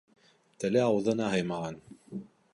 Теле ауыҙына һыймаған